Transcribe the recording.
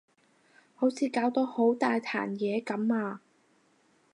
好似搞到好大壇嘢噉啊